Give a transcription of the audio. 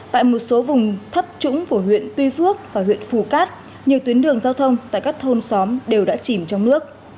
tại một số vùng thấp trũng của huyện tuy phước và huyện phù cát nhiều tuyến đường giao thông tại các thôn xóm đều đã chìm trong nước